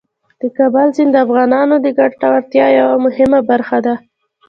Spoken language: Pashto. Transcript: د کابل سیند د افغانانو د ګټورتیا یوه مهمه برخه ده.